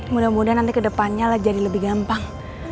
mudah mudahan nanti ke depannya lah jadi lebih gampang